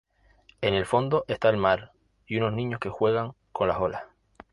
En el fondo está el mar y unos niños que juegan con las olas.